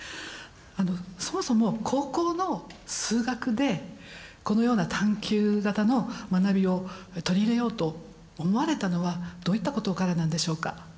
そもそも高校の数学でこのような探究型の学びを取り入れようと思われたのはどういったことからなんでしょうか？